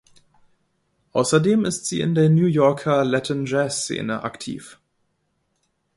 Außerdem ist sie in der New Yorker Latin-Jazz-Szene aktiv.